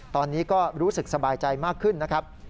ตอนนี้ก็รู้สึกสบายใจมากขึ้นนะครับ